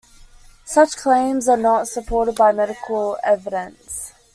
Such claims are not supported by medical evidence.